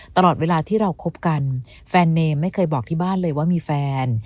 ตลอดเวลาที่เราคบกันแฟนเนมไม่เคยบอกที่บ้านเลยว่ามีแฟน